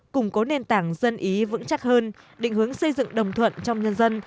củng cố nền tảng dân ý vững chắc hơn định hướng xây dựng đồng thuận trong nhân dân